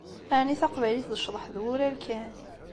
Ɛni taqbaylit d ccdeḥ d wurar kan?